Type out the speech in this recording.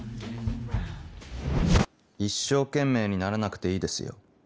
一生懸命にならなくていいですよ。